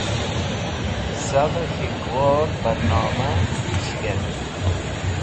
Savey K̃hikwor Barnoma Pish Kert